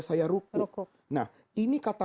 saya rukuk nah ini kata